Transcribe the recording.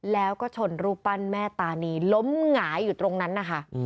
แล้วก็ชนรูปปั้นแม่ตานีล้มหงายอยู่ตรงนั้นนะคะ